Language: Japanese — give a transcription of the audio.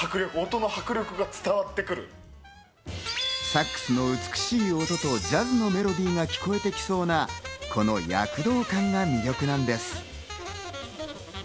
サックスの美しい音とジャズのメロディーが聴こえてきそうなこの躍動感が魅力なんです。